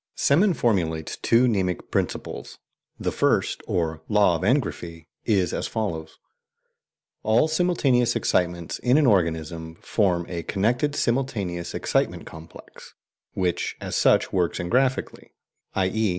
Semon formulates two "mnemic principles." The first, or "Law of Engraphy," is as follows: "All simultaneous excitements in an organism form a connected simultaneous excitement complex, which as such works engraphically, i.e.